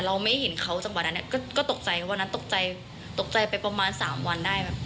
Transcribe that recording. เราก็จะกังวล